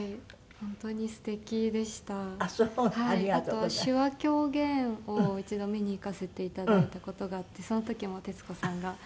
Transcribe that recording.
あとは手話狂言を一度見に行かせて頂いた事があってその時も徹子さんが。